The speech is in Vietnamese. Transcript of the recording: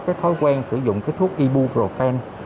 cái thói quen sử dụng cái thuốc ibuprofen